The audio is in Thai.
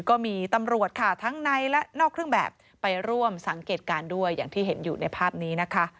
ก็มีตำรวจค่ะทั้งในและนอกเครื่องแบบไปร่วมสังเกตการณ์ด้วยอย่างที่เห็นอยู่ในภาพนี้นะคะ